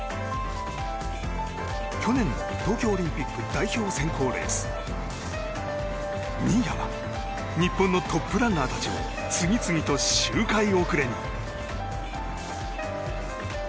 去年の東京オリンピック代表選考レース新谷は日本のトップランナーたちを次々と周回遅れに。